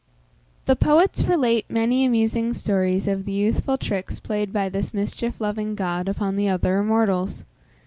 The poets relate many amusing stories of the youthful tricks played by this mischief loving god upon the other immortals.